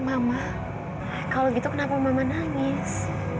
mama kalau gitu kenapa mama nangis